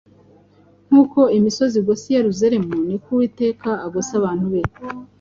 Nk’uko imisozi igose i Yerusalemu, ni ko Uwiteka agota abantu be,